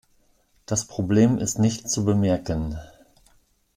Das Problem ist nicht zu bemerken.